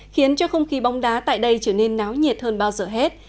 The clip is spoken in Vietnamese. khiến cho không khí bóng đá tại đây trở nên náo nhiệt hơn bao giờ hết